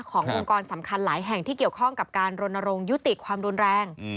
องค์กรสำคัญหลายแห่งที่เกี่ยวข้องกับการรณรงค์ยุติความรุนแรง